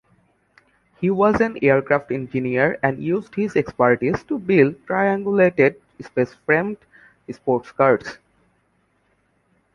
He was an aircraft engineer and used his expertise to build triangulated spaceframed sportscars.